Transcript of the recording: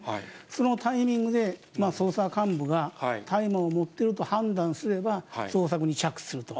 そのタイミングで、捜査幹部が大麻を持っていると判断すれば捜索に着手すると。